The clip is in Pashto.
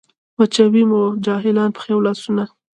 مچوي مو جاهلان پښې او لاسونه